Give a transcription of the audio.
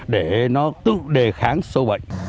để nó tự đề kháng số bệnh